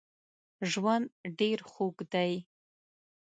ژوند ډېر خوږ دی